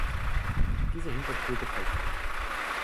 Diese Hintertür gefällt mir nicht.